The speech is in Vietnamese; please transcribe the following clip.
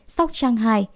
sóc trang hai